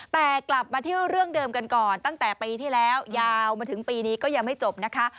แต่กลับมาเที่ยวเรื่องเดิมกันก่อนตั้งแต่ปีที่แล้วยาวมาถึงปีนี้ก็ยังไม่จบนะคะ